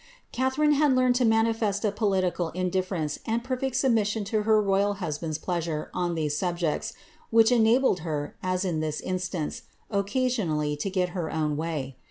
Catharine had learned to manifest a political indiflerence and perfect submission to her royal husband's pleasure on these subjects, which enabled her, as in this instance, occasionally to get her own way.